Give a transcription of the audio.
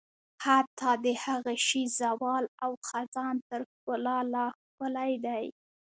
حتی د هغه شي زوال او خزان تر ښکلا لا ښکلی دی.